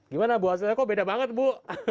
gimana bu hasilnya kok beda banget bu